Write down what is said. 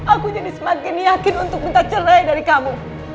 aku jadi semakin yakin untuk minta cerai dari kamu